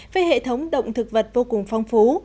về hệ thống động thực vật vô cùng phong phú